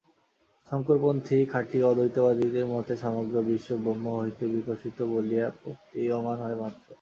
শঙ্করপন্থী খাঁটি অদ্বৈতবাদীদের মতে সমগ্র বিশ্ব ব্রহ্ম হইতে বিকশিত বলিয়া প্রতীয়মান হয় মাত্র।